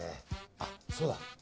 あっ、そうだ。